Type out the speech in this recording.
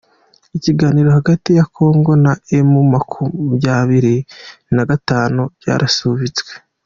Ibiganiro hagati ya kongo na emu makumyabiri nagatatu byarasubitswe